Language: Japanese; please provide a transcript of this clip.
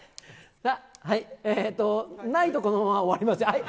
ないとこのまま終わりますよ。